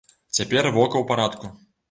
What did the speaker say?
Цяпер вока ў парадку.